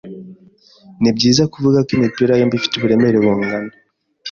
Nibyiza kuvuga ko imipira yombi ifite uburemere bungana.